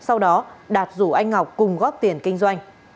sau đó đạt rủ anh ngọc cùng góp tiền kinh doanh